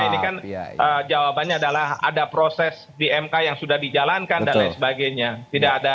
ini kan jawabannya adalah ada proses di mk yang sudah dijalankan dan lain sebagainya